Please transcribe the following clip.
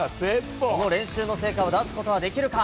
その練習の成果を出すことはできるか。